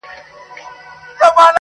• پټ په زړه کي پر اقرار یو ګوندي راسي -